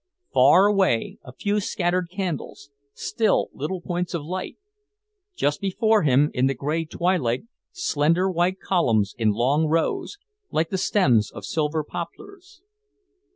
far away, a few scattered candles, still little points of light... just before him, in the grey twilight, slender white columns in long rows, like the stems of silver poplars.